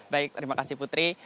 baik terima kasih putri